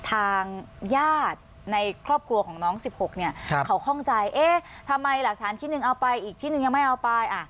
ทางญาติในครอบครัวของน้อง๑๖เนี่ยเขาคล่องใจเอ๊ะทำไมหลักฐานชิ้นหนึ่งเอาไปอีกชิ้นหนึ่งยังไม่เอาไป